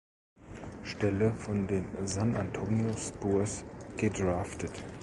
Stelle von den San Antonio Spurs gedraftet.